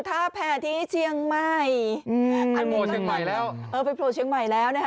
ทาแพที่เชียงไม่อืมเออไปโปรเชียงไม่แล้วนะคะ